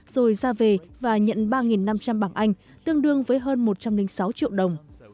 rồi ra về và nhận ba năm trăm linh bảng anh tương đương với hơn một trăm linh sáu triệu đồng